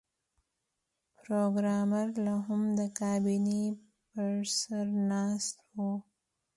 پروګرامر لاهم د کابینې پر سر ناست و